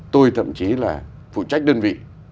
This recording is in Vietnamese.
tôi thậm chí là phụ trách đơn vị